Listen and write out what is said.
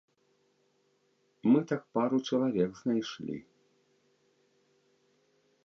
Мы так пару чалавек знайшлі.